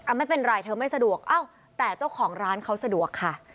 ไม่เป็นไรเธอไม่สะดวกเอ้าแต่เจ้าของร้านเขาสะดวกค่ะ